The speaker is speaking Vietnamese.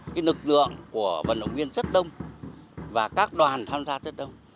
cái lực lượng của vận động viên rất đông và các đoàn tham gia rất đông